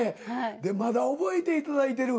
でまだ覚えていただいてる。